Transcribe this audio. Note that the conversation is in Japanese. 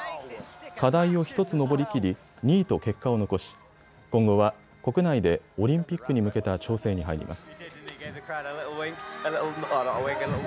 課題を１つ登りきり２位と結果を残し、今後は国内でオリンピックに向けた調整に入ります。